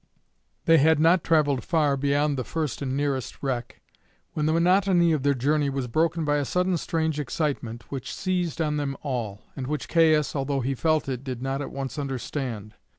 They had not travelled far beyond the first and nearest wreck, when the monotony of their journey was broken by a sudden strange excitement which seized on them all, and which Caius, although he felt it, did not at once understand.